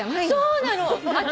そうなの！